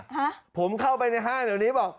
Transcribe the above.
ฮะผมเข้าไปในห้างเดี๋ยวนี้บอก